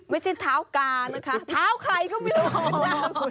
ไม่ใช่เท้ากานะคะเท้าใครก็ไม่รู้